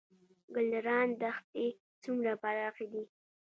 ګلران دښتې څومره پراخې دي؟